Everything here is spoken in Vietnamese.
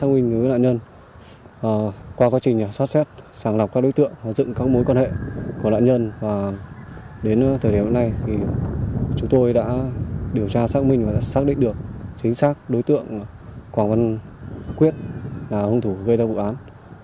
qua quá trình soát xét sàng lọc các đối tượng và dựng các mối quan hệ của nạn nhân đến thời điểm này chúng tôi đã điều tra xác minh và xác định được chính xác đối tượng quảng văn quyết là hung thủ gây ra vụ án